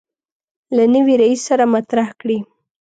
له نوي رئیس سره مطرح کړي.